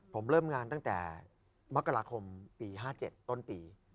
ผมเริ่มงานตั้งแต่มกราคมปี๕๗ต้นปี